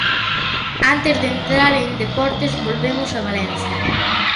Antes de entrar en deportes, volvemos a Valencia.